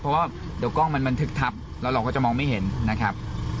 เพราะว่าเดี๋ยวกล้องมันบันทึกทับแล้วเราก็จะมองไม่เห็นนะครับ